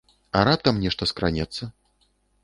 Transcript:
А раптам нешта скранецца?